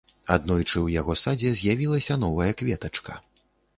Аднойчы ў яго садзе з'явілася новая кветачка.